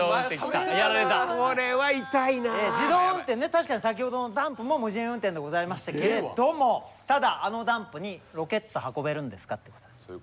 確かに先ほどのダンプも無人運転でございましたけれどもただあのダンプにロケット運べるんですかってこと。